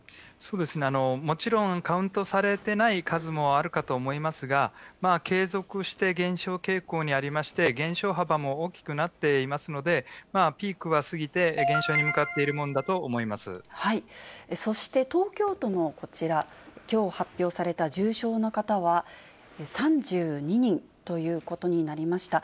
もちろん、カウントされてない数もあるかと思いますが、継続して減少傾向にありまして、減少幅も大きくなっていますので、ピークは過ぎて、減少に向かってそして東京都のこちら、きょう発表された重症の方は３２人ということになりました。